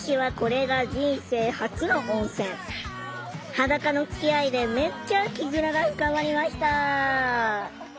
裸のつきあいでめっちゃ絆が深まりました！